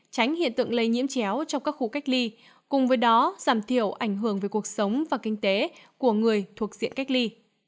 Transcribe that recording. tránh hiện tượng lây nhiễm chéo trong các khu cách ly cùng với đó giảm thiểu ảnh hưởng về cuộc sống và kinh tế của người thuộc diện cách ly